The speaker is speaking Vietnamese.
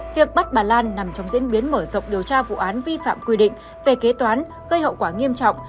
việc bắt bà lan nằm trong diễn biến mở rộng điều tra vụ án vi phạm quy định về kế toán gây hậu quả nghiêm trọng